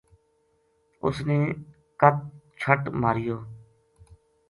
اُس نے کت چھٹ ماریو